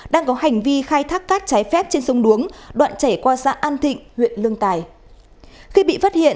đang có hành vi khai thác cát trái phép trên sông đuống đoạn chảy qua xã an thịnh huyện lương tài